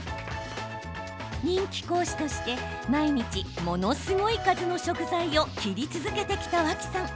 人気講師として毎日ものすごい数の食材を切り続けてきた脇さん。